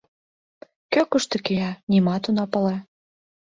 Кӧ кушто кия — нимат она пале.